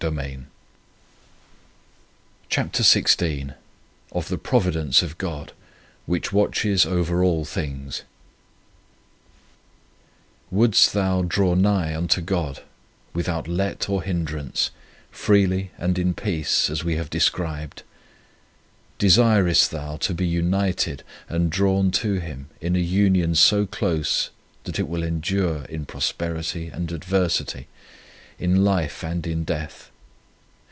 101 CHAPTER XVI OF THE PROVIDENCE OF GOD, WHICH WATCHES OVER ALL THINGS WOULDST them draw nigh unto God without let or hindrance, freely and in peace, as we have described ? Desirest thou to be united and drawn to Him in a union so close that it will endure in prosperity and adversity, in life and in death